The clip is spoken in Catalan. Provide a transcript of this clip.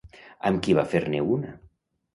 Amb qui va fer-ne una?